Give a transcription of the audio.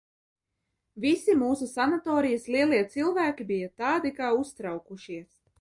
Visi mūsu sanatorijas lielie cilvēki bija tādi kā uztraukušies.